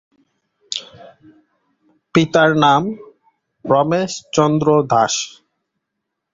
পিতার নাম রমেশচন্দ্র দাস।